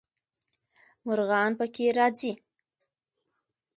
مرغان پکې راځي.